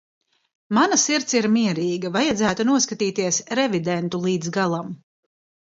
Mana sirds ir mierīga, vajadzētu noskatīties Revidentu līdz galam.